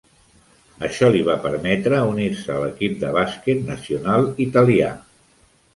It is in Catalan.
Això li va permetre unir-se a l'equip de bàsquet nacional italià.